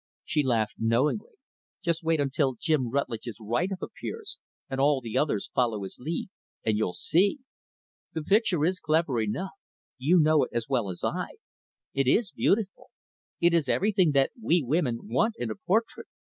She laughed knowingly, "Just wait until Jim Rutlidge's 'write up' appears, and all the others follow his lead, and you'll see! The picture is clever enough you know it as well as I. It is beautiful. It has everything that we women want in a portrait.